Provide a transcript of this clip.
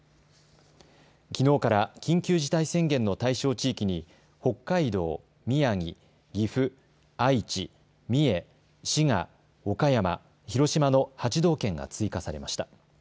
きのうから緊急事態宣言の対象地域に北海道、宮城、岐阜、愛知、三重、滋賀、岡山、広島の８道県が追加されました。